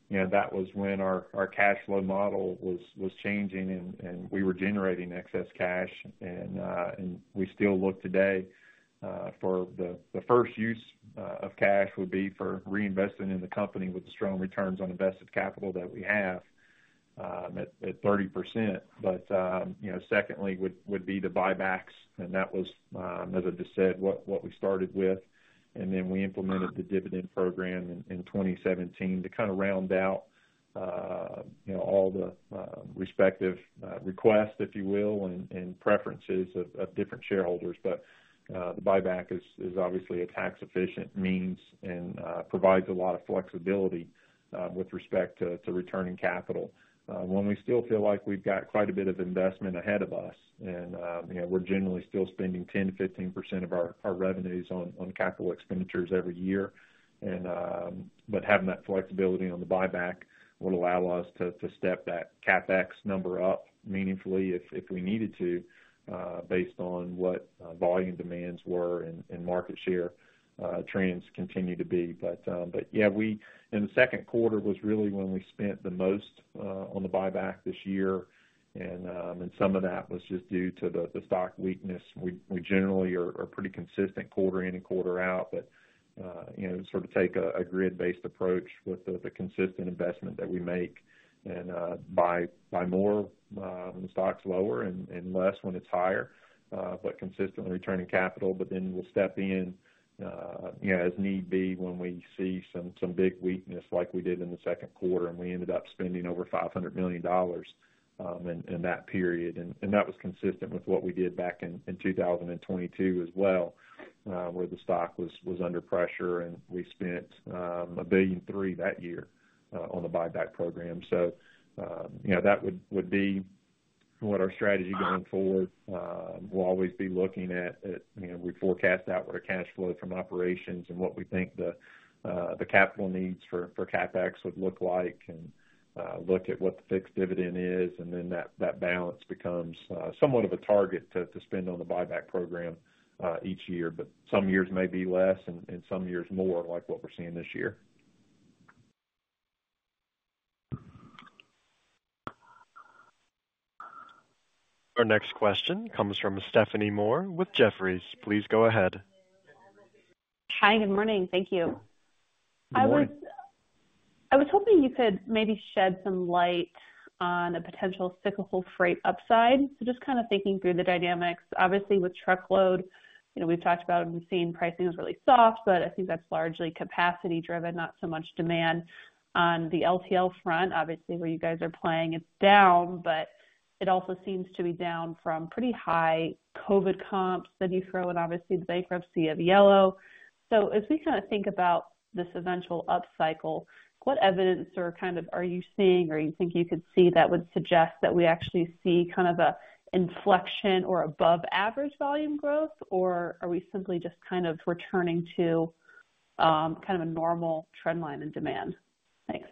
you know, that was when our cash flow model was changing and we were generating excess cash. And we still look today for the first use of cash would be for reinvesting in the company with the strong returns on invested capital that we have at 30%. But, you know, secondly, would be the buybacks, and that was, as I just said, what we started with. And then we implemented the dividend program in 2017 to kind of round out, you know, all the respective requests, if you will, and preferences of different shareholders. But the buyback is obviously a tax-efficient means and provides a lot of flexibility with respect to returning capital. When we still feel like we've got quite a bit of investment ahead of us, and you know, we're generally still spending 10%-15% of our revenues on capital expenditures every year. But having that flexibility on the buyback would allow us to step that CapEx number up meaningfully if we needed to, based on what volume demands were and market share trends continue to be. But yeah, in the second quarter was really when we spent the most on the buyback this year. And some of that was just due to the stock weakness. We generally are pretty consistent quarter in and quarter out, but you know, sort of take a grid-based approach with the consistent investment that we make, and buy more when the stock's lower and less when it's higher, but consistently returning capital, but then we'll step in, you know, as need be when we see some big weakness, like we did in the second quarter, and we ended up spending over $500 million in that period, and that was consistent with what we did back in 2022 as well, where the stock was under pressure, and we spent $1.3 billion that year on the buyback program, so you know, that would be-... What our strategy going forward, we'll always be looking at, you know, we forecast out what our cash flow from operations and what we think the capital needs for CapEx would look like, and look at what the fixed dividend is, and then that balance becomes somewhat of a target to spend on the buyback program each year. But some years may be less, and some years more, like what we're seeing this year. Our next question comes from Stephanie Moore with Jefferies. Please go ahead. Hi, good morning. Thank you. Good morning. I was hoping you could maybe shed some light on a potential cyclical freight upside. So just kind of thinking through the dynamics. Obviously, with truckload, you know, we've talked about and we've seen pricing is really soft, but I think that's largely capacity-driven, not so much demand. On the LTL front, obviously, where you guys are playing, it's down, but it also seems to be down from pretty high COVID comps. Then you throw in, obviously, the bankruptcy of Yellow. So as we kind of think about this eventual upcycle, what evidence or kind of are you seeing or you think you could see that would suggest that we actually see kind of a inflection or above average volume growth? Or are we simply just kind of returning to kind of a normal trend line in demand? Thanks.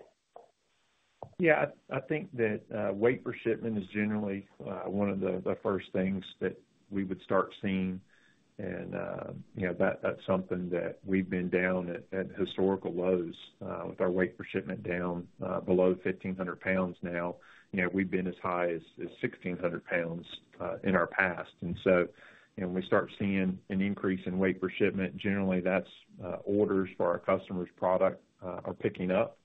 Yeah, I think that weight per shipment is generally one of the first things that we would start seeing. And you know that's something that we've been down at historical lows with our weight per shipment down below 1,500 pounds now. You know we've been as high as 1,600 pounds in our past. And so you know we start seeing an increase in weight per shipment. Generally that's orders for our customer's product are picking up.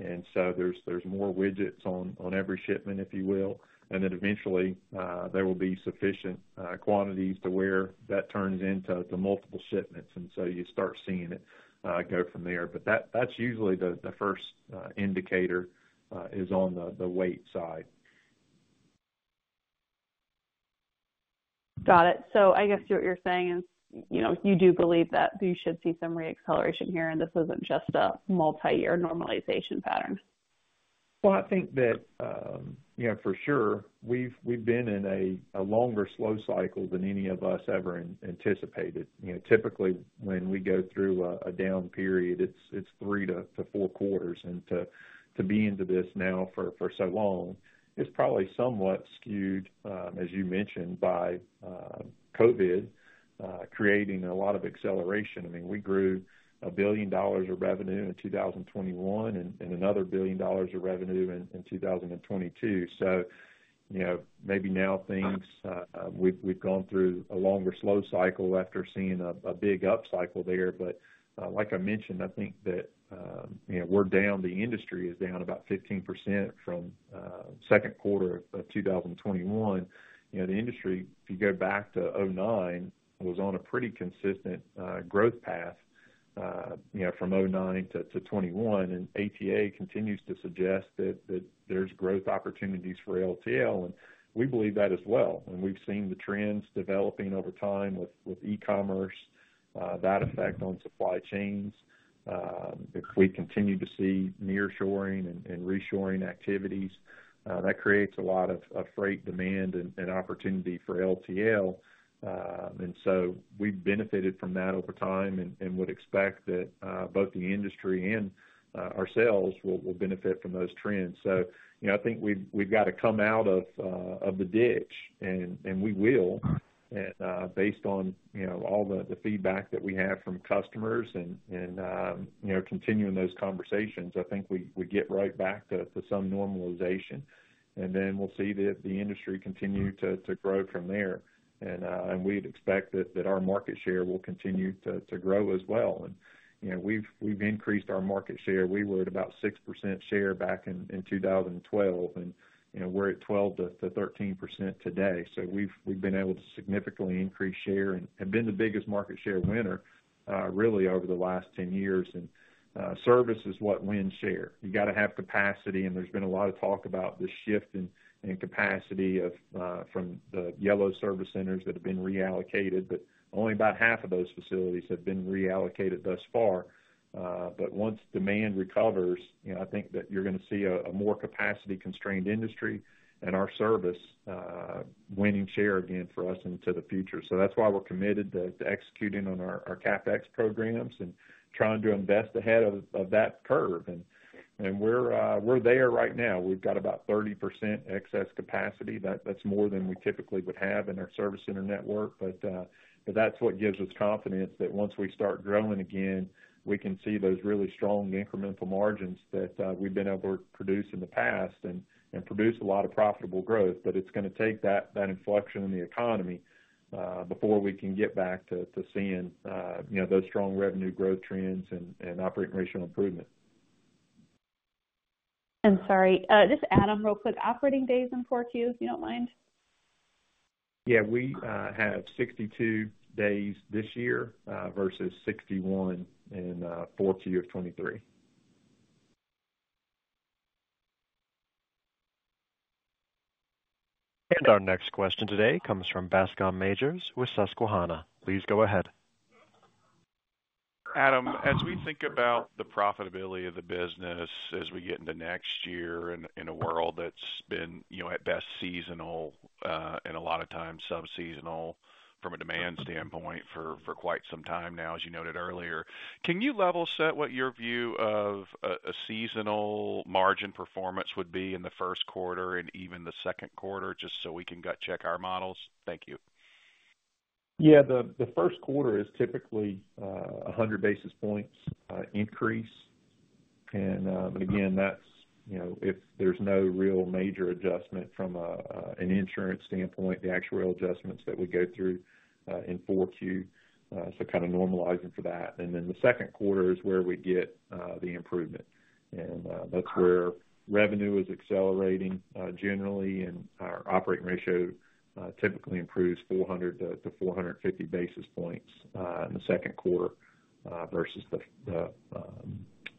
And so there's more widgets on every shipment if you will. And then eventually there will be sufficient quantities to where that turns into multiple shipments and so you start seeing it go from there. But that's usually the first indicator is on the weight side. Got it. So I guess what you're saying is, you know, you do believe that you should see some reacceleration here, and this isn't just a multiyear normalization pattern. I think that, you know, for sure, we've been in a longer slow cycle than any of us ever anticipated. You know, typically, when we go through a down period, it's three to four quarters. And to be into this now for so long is probably somewhat skewed, as you mentioned, by COVID creating a lot of acceleration. I mean, we grew $1 billion of revenue in 2021 and another $1 billion of revenue in 2022. You know, maybe now things. We've gone through a longer, slow cycle after seeing a big upcycle there. But, like I mentioned, I think that, you know, we're down, the industry is down about 15% from second quarter of 2021. You know, the industry, if you go back to 2009, was on a pretty consistent growth path, you know, from 2009 to 2021. And ATA continues to suggest that there's growth opportunities for LTL, and we believe that as well. And we've seen the trends developing over time with e-commerce, that effect on supply chains. If we continue to see nearshoring and reshoring activities, that creates a lot of freight demand and opportunity for LTL. And so we've benefited from that over time and would expect that both the industry and ourselves will benefit from those trends. So, you know, I think we've got to come out of the ditch, and we will. Based on, you know, all the feedback that we have from customers and, you know, continuing those conversations, I think we get right back to some normalization, and then we'll see the industry continue to grow from there. We'd expect that our market share will continue to grow as well. You know, we've increased our market share. We were at about 6% share back in 2012, and, you know, we're at 12-13% today. So we've been able to significantly increase share and been the biggest market share winner, really over the last 10 years. Service is what wins share. You got to have capacity, and there's been a lot of talk about the shift in capacity of from the Yellow service centers that have been reallocated, but only about half of those facilities have been reallocated thus far. But once demand recovers, you know, I think that you're gonna see a more capacity-constrained industry and our service winning share again for us into the future. So that's why we're committed to executing on our CapEx programs and trying to invest ahead of that curve. And we're there right now. We've got about 30% excess capacity. That's more than we typically would have in our service center network, but that's what gives us confidence that once we start growing again, we can see those really strong incremental margins that we've been able to produce in the past and produce a lot of profitable growth. But it's gonna take that inflection in the economy before we can get back to seeing, you know, those strong revenue growth trends and operating ratio improvement. I'm sorry, just Adam, real quick, operating days in 4Q, if you don't mind? Yeah, we have 62 days this year versus 61 in 4Q of 2023. Our next question today comes from Bascom Majors with Susquehanna. Please go ahead. ... Adam, as we think about the profitability of the business as we get into next year in a world that's been, you know, at best seasonal, and a lot of times sub-seasonal from a demand standpoint for quite some time now, as you noted earlier, can you level set what your view of a seasonal margin performance would be in the first quarter and even the second quarter, just so we can gut check our models? Thank you. Yeah, the first quarter is typically 100 basis points increase, but again, that's, you know, if there's no real major adjustment from an insurance standpoint, the actuarial adjustments that we go through in 4Q, so kind of normalizing for that. Then the second quarter is where we get the improvement, and that's where revenue is accelerating generally, and our operating ratio typically improves 400-450 basis points in the second quarter versus the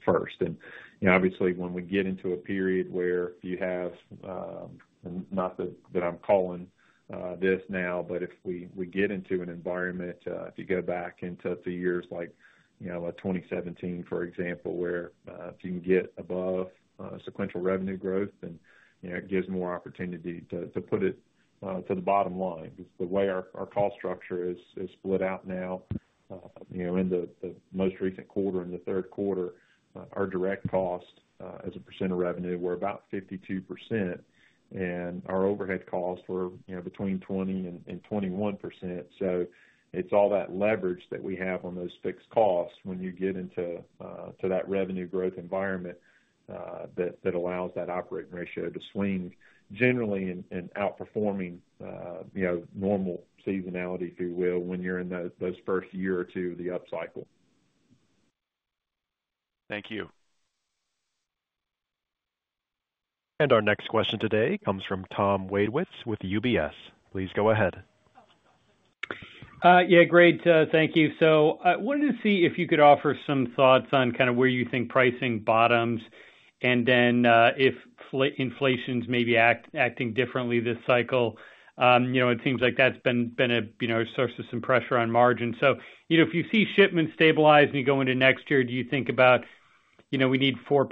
first. You know, obviously, when we get into a period where you have... Not that I'm calling this now, but if we get into an environment, if you go back into the years like, you know, like, 2017, for example, where if you can get above sequential revenue growth, then, you know, it gives more opportunity to put it to the bottom line. Just the way our cost structure is split out now, you know, in the most recent quarter, in the third quarter, our direct cost as a percent of revenue, we're about 52%, and our overhead costs were, you know, between 20% and 21%. So it's all that leverage that we have on those fixed costs when you get into that revenue growth environment, that allows that operating ratio to swing generally in outperforming, you know, normal seasonality, if you will, when you're in those first year or two of the upcycle. Thank you. Our next question today comes from Tom Wadewitz with UBS. Please go ahead. Yeah, great, thank you. So, wanted to see if you could offer some thoughts on kind of where you think pricing bottoms, and then, if inflation's maybe acting differently this cycle. You know, it seems like that's been a you know, source of some pressure on margins. So, you know, if you see shipments stabilize and you go into next year, do you think about, you know, we need 4%?